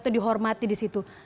itu dihormati disitu